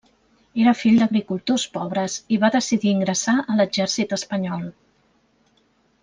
Era fill d'agricultors pobres i va decidir ingressar a l'exèrcit espanyol.